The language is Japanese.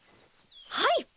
はい！